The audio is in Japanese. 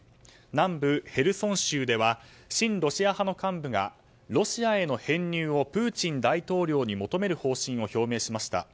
南部ヘルソン州では親ロシア派の幹部がロシアへの編入をプーチン大統領に求める方針を表明しました。